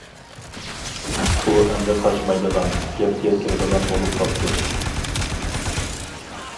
ئۇ ئەمدى قاچمايدىغان، گەپكە كىرىدىغان بولۇپ قاپتۇ.